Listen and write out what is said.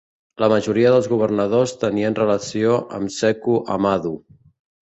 La majoria dels governadors tenien relació amb Seku Amadu.